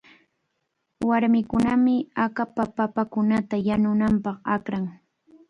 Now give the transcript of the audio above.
Warmikunami akapa papakunata yanunapaq akran.